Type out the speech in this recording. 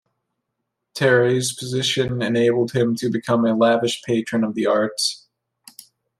Terray's position enabled him to become a lavish patron of the arts.